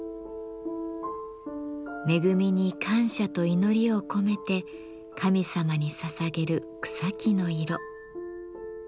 恵みに感謝と祈りを込めて神様にささげる草木の色。